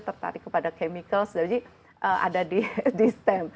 tertarik kepada chemical jadi ada di distem